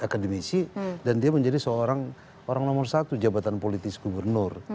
akademisi dan dia menjadi seorang orang nomor satu jabatan politis gubernur